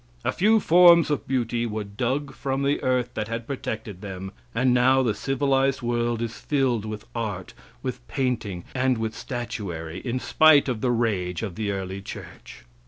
A few forms of beauty were dug from the earth that had protected them, and now the civilized world is filled with art, with painting, and with statuary, in spite of the rage of the early church.